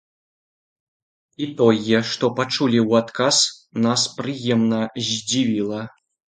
І тое, што пачулі ў адказ, нас прыемна здзівіла.